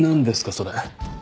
それ。